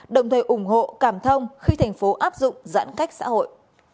đồng thời ủng hộ cảm thông khi thành phố áp dụng giãn cách xã hội